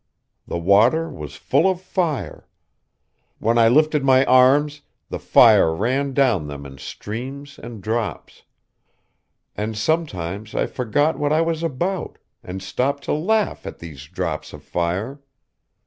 The water was full of fire. When I lifted my arms, the fire ran down them in streams and drops. And sometimes I forgot what I was about, and stopped to laugh at these drops of fire.